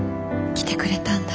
来てくれたんだ。